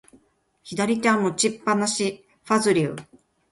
左手は持ちっぱなし、ファズリウ。